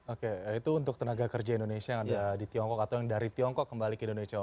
oke itu untuk tenaga kerja indonesia yang ada di tiongkok atau yang dari tiongkok kembali ke indonesia